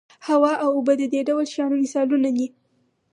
هوا او اوبه د دې ډول شیانو مثالونه دي.